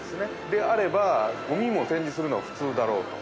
であれば、ごみも展示するのが普通だろうと。